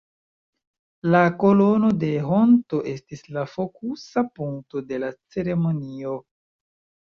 La Kolono de Honto estis la fokusa punkto de la ceremonio.